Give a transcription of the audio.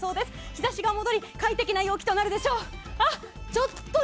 日差しが戻り快適な陽気となるでしょう。